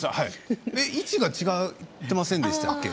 位置が違ってませんでしたっけ？